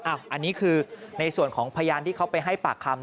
อันนี้คือในส่วนของพยานที่เขาไปให้ปากคำ